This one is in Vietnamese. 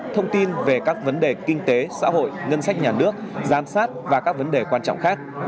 thông tin về các vấn đề kinh tế xã hội ngân sách nhà nước giám sát và các vấn đề quan trọng khác